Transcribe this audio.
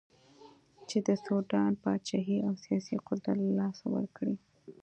چې د سوډان پاچهي او سیاسي قدرت له لاسه ورکړي.